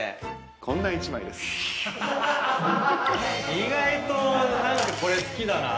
意外と何かこれ好きだなぁ。